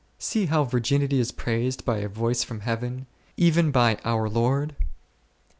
See how virginity is praised by a voice from Heaven, even by our Lord !